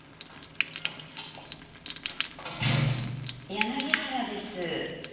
柳原です。